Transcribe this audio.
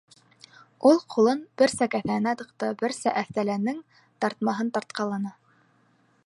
Ул ҡулын берсә кеҫәһенә тыҡты, берсә әҫтәленең тартмаһын тартҡыланы: